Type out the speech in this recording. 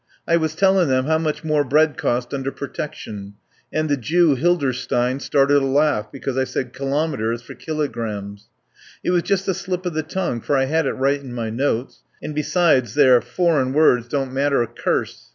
I was tellin' them how much more bread cost under Protection, and the Jew Hilderstein started a laugh because I said kilometres for kilogrammes. It was just a slip o' the tongue, for I had it right in my notes, and besides there furrin' words don't matter a curse.